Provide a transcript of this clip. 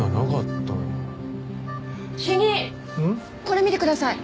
これ見てください。